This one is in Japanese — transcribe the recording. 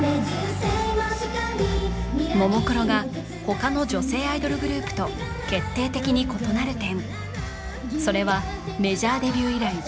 人生も然りももクロが他の女性アイドルグループと決定的に異なる点それはメジャーデビュー以来１０